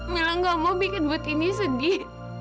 mila gak mau bikin butini sedih